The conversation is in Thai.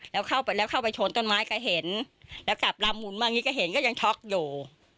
แล้วเข้าไปโชนต้นไม้ก็เห็นแล้วกลับลำหุ่นมาก็เห็นก็ยังช็อกอยู่